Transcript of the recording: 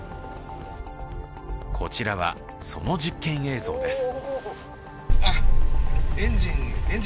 こちらは、その実験映像です。